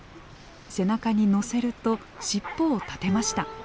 背中に乗せると尻尾を立てました。